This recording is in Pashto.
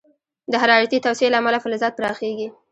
د حرارتي توسعې له امله فلزات پراخېږي.